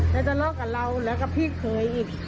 ไหนจะทะเลาะกับเราหรือกับพี่เคยอีก